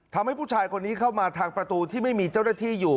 ทำให้ผู้ชายคนนี้เข้ามาทางประตูที่ไม่มีเจ้าหน้าที่อยู่